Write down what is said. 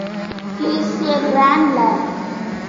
He’s a grand lad!